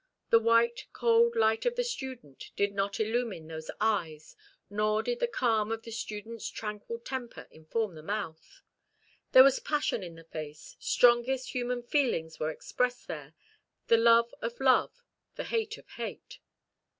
The white, cold light of the student did not illumine those eyes, nor did the calm of the student's tranquil temper inform the mouth. There was passion in the face; strongest human feelings were expressed there; the love of love, the hate of hate.